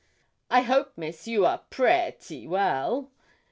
'I hope, Miss, you are pretty well?'